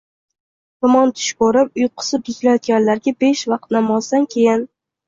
yomon tush ko‘rib, uyqusi buzilayotganlarga besh vaqt namozdan keyin